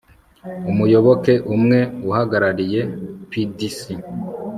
Umuyoboke umwe uhagarariye PDC